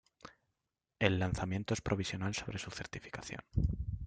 El lanzamiento es provisional sobre su certificación.